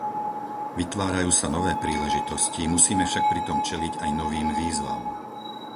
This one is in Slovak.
Vytvárajú sa nové príležitosti, musíme však pritom čeliť aj novým výzvam.